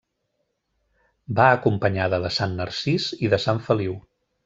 Va acompanyada de sant Narcís i de sant Feliu.